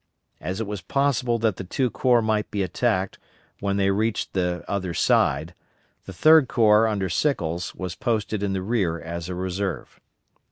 As it was possible that the two corps might be attacked when they reached the other side, the Third Corps, under Sickles, was posted in the rear as a reserve.